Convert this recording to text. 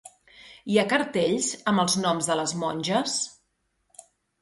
Hi ha cartells amb els noms de les monges?